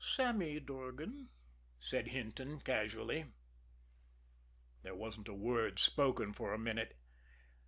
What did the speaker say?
"Sammy Durgan," said Hinton casually. There wasn't a word spoken for a minute.